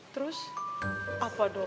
terus apa dong